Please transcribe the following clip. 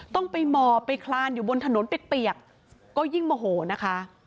ต้องไปหมอบไปคลานอยู่บนถนนเปียกก็ยิ่งโมโหนะคะ